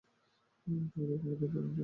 আমি তোমাকে কম্পিউটার থেকে ই-মেইল পাঠাবো।